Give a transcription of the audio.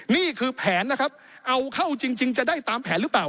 นี่คือแผนนะครับเอาเข้าจริงจะได้ตามแผนหรือเปล่า